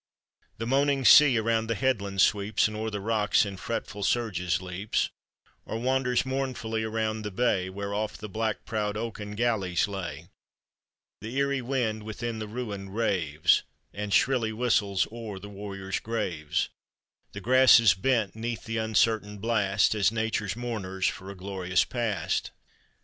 The moaning sea around the headland sweeps, And o'er the rocks in fretful surges leaps, Or wanders mournfully around the bay, Where oft the black provved oaken galleys lay ; The eerie wind within the ruin raves, And shrilly whistles o'er the warriors' graves; The grasses bend 'neath the uncertain blast, As Nature's mourners for a glorious past.